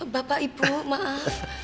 bapak ibu maaf